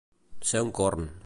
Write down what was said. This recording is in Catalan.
Ser un corn.